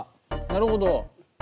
なるほど！